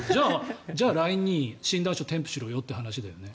じゃあ、ＬＩＮＥで診断書を添付しろよって話だよね。